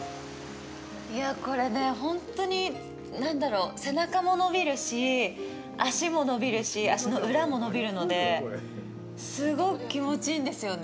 これね、本当に、何だろう、背中も伸びるし、足も伸びるし、足の裏も伸びるのですごく気持ちいいんですよね。